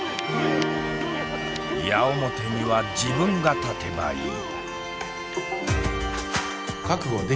矢面には自分が立てばいい。